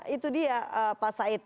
itu dia pak said